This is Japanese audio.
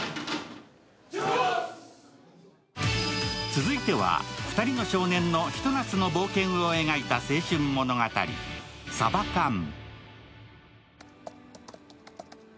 続いては２人の少年のひと夏の冒険を描いた青春物語「サバカンＳＡＢＡＫＡＮ」。